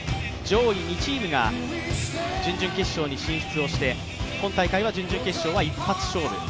上位２チームが準々決勝に進出をして今大会は準々決勝は一発勝負。